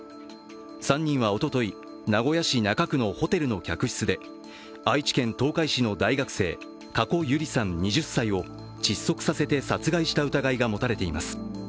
３人はおととい、名古屋市中区のホテルの客室で愛知県東海市の大学生加古結莉さん、２０歳を窒息させて殺害した疑いが持たれています。